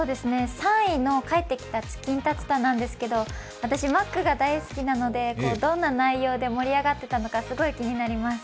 ３位の「帰ってきたチキンタツタ」なんですけど、私、マックが大好きなのでどんな内容で盛り上がっていたのか、すっごい気になります。